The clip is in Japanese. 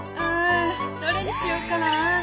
うんどれにしようかな？